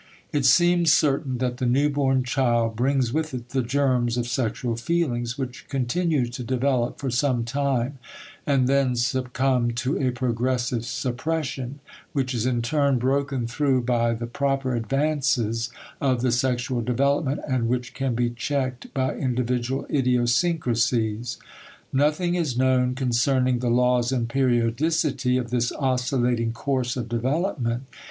It seems certain that the newborn child brings with it the germs of sexual feelings which continue to develop for some time and then succumb to a progressive suppression, which is in turn broken through by the proper advances of the sexual development and which can be checked by individual idiosyncrasies. Nothing is known concerning the laws and periodicity of this oscillating course of development.